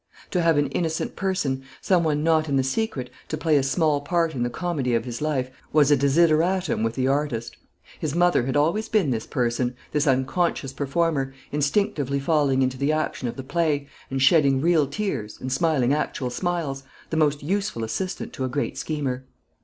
To have an innocent person, some one not in the secret, to play a small part in the comedy of his life, was a desideratum with the artist. His mother had always been this person, this unconscious performer, instinctively falling into the action of the play, and shedding real tears, and smiling actual smiles, the most useful assistant to a great schemer.